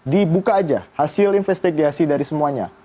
dibuka aja hasil investigasi dari semuanya